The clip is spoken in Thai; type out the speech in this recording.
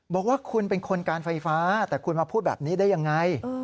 บอกว่าคุณเป็นคนการไฟฟ้าแต่คุณมาพูดแบบนี้ได้ยังไง